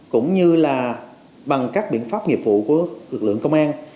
cũng như là bằng các biện pháp nghiệp vụ của lực lượng công an